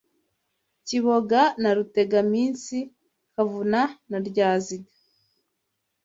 Kibogo na Rutegaminsi kavuna na ryaziga